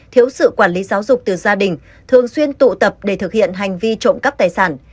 thiếu sự quản lý giáo dục từ gia đình thường xuyên tụ tập để thực hiện hành vi trộm cắp tài sản